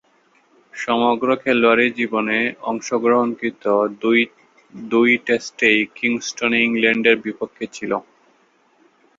সমগ্র খেলোয়াড়ী জীবনে অংশগ্রহণকৃত দুই টেস্টই কিংস্টনে ইংল্যান্ডের বিপক্ষে ছিল।